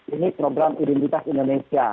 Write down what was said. ini program identitas indonesia